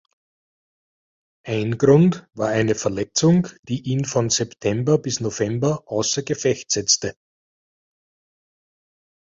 Ein Grund war eine Verletzung die ihn von September bis November außer Gefecht setzte.